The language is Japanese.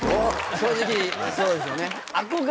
正直そうですよね。